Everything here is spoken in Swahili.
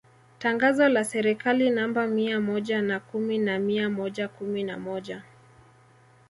Tangazo la Serikali namba mia moja na kumi na mia moja kumi na moja